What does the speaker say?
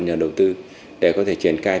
nhà đầu tư để có thể triển khai